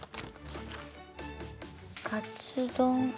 カツ丼あ